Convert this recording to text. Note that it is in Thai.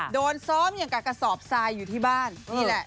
โดนซ้อมอย่างกับกระสอบทรายอยู่ที่บ้านนี่แหละ